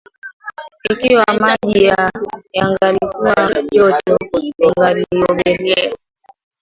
Ikiwa maji yangalikuwa joto, ningaliogelea.